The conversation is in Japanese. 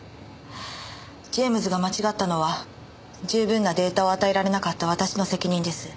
ジェームズが間違ったのは十分なデータを与えられなかった私の責任です。